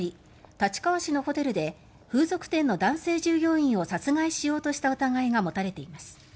立川市のホテルで風俗店の男性従業員を殺害しようとした疑いが持たれています。